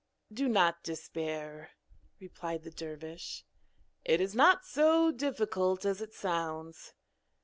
'Do not despair,' replied the dervish, 'it is not so difficult as it sounds.